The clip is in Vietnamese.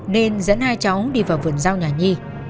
nên dẫn hai cháu đi vào vườn giao nhà nhi